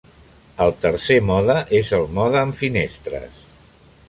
El tercer mode és el mode amb finestres.